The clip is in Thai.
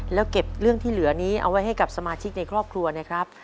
แล้วเก็บเรื่องที่เหลือนี้เอาไว้ให้กับสมาชิกในครอบครัวนะครับ